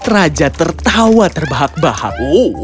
raja tertawa terbahak bahak